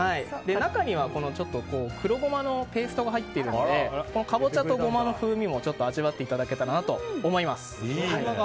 中には黒ゴマのペーストが入っているのでかぼちゃとゴマの風味を味わっていただけたらと思います。